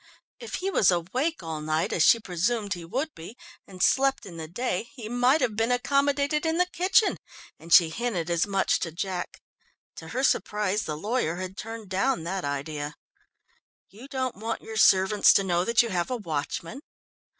If he was awake all night as she presumed he would be, and slept in the day, he might have been accommodated in the kitchen, and she hinted as much to Jack. To her surprise the lawyer had turned down that idea. "You don't want your servants to know that you have a watchman."